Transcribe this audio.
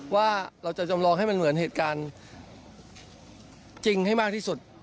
ว่าเราจะจำลองให้มันเหมือนเหตุการณ์จริงให้มากที่สุด